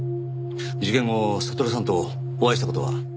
事件後悟さんとお会いした事は？